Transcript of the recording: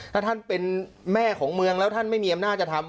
ถ้าท่านเป็นแม่ของเมืองแล้วท่านไม่มีอำนาจจะทำ